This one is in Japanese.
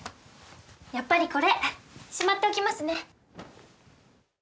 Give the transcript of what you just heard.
やっぱりこれしまっておきますね。